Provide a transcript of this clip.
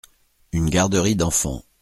Une garderie d’enfants.